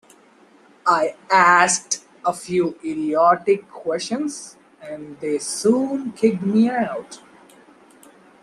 I asked a few idiotic questions, and they soon kicked me out.